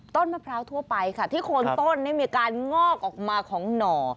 มะพร้าวทั่วไปค่ะที่โคนต้นมีการงอกออกมาของหน่อ